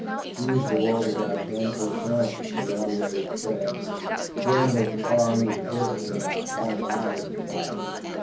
She used the lull to grab a handful of sandwiches from another waiter's tray. A gambler at the far end of the table came out, calling loudly to the dice.